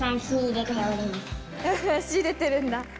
仕入れてるんだ。